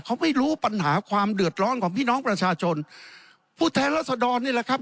เขาไม่รู้ปัญหาความเดือดร้อนของพี่น้องประชาชนผู้แทนรัศดรนี่แหละครับ